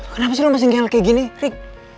kenapa sih lo masih nge lel kayak gini rick